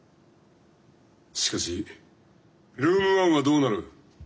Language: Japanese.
しかしルーム１はどうなる。